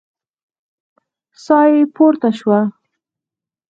ساه يې پورته شوه.